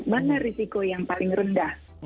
mana risiko yang paling rendah